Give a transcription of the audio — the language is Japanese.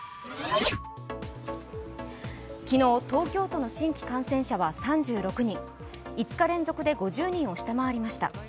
昨日、東京都の新規感染者は３６人５日連続で５０人を下回りました。